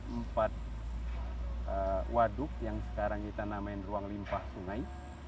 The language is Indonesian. empat waduk yang sekarang kita namain ruang limpah sungai